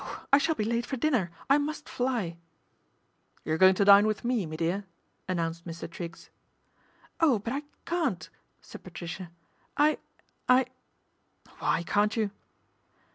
I shall be late for dinner, I must fly !"" You're going to dine with me, me dear," announced Mr. Triggs. " Oh, but I can't," said Patricia ;" I I "" Why can't you